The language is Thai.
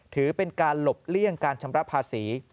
ถือเป็นการหลบเลี่ยงการชำระภาษี